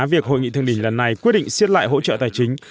việc hội nghị thương đình lần này quyết định siết lại hỗ trợ tài chính